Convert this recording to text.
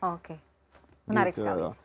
oke menarik sekali